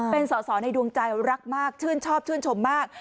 เป็นสอสอในดวงใจรักมากชื่นชอบชื่นชมมาก